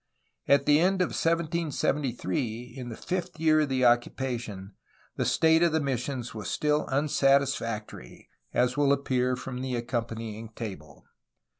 At the end of 1773, in the fifth year of the occupation, the state of the missions was still unsatisfactory, as will appear from the accompanying table.